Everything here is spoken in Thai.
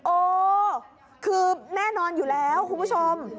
โอ้คือแน่นอนอยู่แล้วคุณผู้ชม